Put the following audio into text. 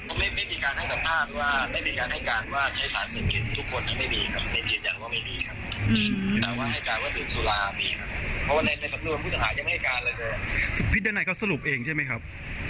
ก็ไม่มีการให้สัมภาษณ์ว่าไม่มีการให้การว่าใช้สารเสพติดทุกคนก็ไม่ดีครับ